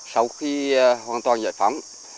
sau khi hoàn toàn giải phóng